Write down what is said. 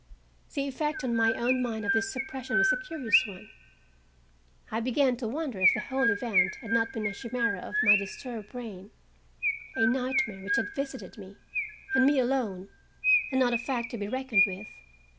The effect on my own mind of this suppression was a curious one. I began to wonder if the whole event had not been a chimera of my disturbed brain—a nightmare which had visited me, and me alone, and not a fact to be reckoned with.